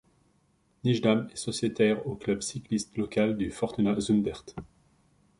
Nijdam est sociétaire au club cycliste local du Fortuna Zundert.